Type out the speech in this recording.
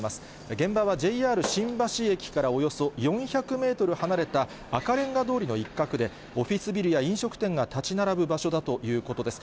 現場はＪＲ新橋駅からおよそ４００メートル離れた赤レンガ通りの一角で、オフィスビルや飲食店が建ち並ぶ場所だということです。